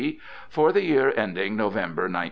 for the year ending November, 1901."